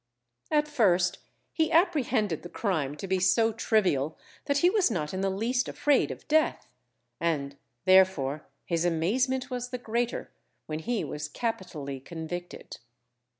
At first he apprehended the crime to be so trivial that he was not in the least afraid of death, and therefore his amazement was the greater when he was capitally convicted.